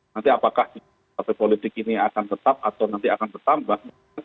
nanti apakah partai politik ini akan tetap atau nanti akan bertambah